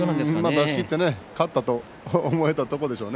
出しきって勝ったと思えたところでしょうね。